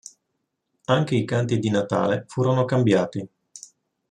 Anche i canti di Natale furono cambiati.